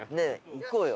行こうよ。